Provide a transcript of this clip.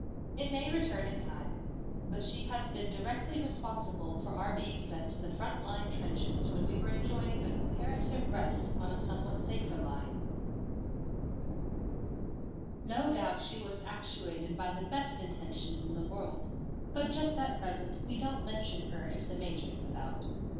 It may return in time — but she has been directly responsible for our being sent to the front line trenches when we were enjoying a com parative rest on a somewhat safer line. No 149 150 THE PEPNOTISED MILK doubt she was actuated by the best inten tions in the world, but just at present we don't mention her if the Major is about.